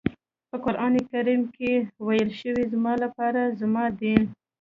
په قرآن کریم کې ويل شوي زما لپاره زما دین.